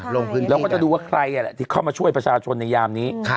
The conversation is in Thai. ลงพื้นที่เราก็จะดูว่าใครที่เข้ามาช่วยประชาชนในยามนี้